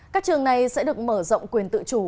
các trường này sẽ được mở rộng quyền tự chủ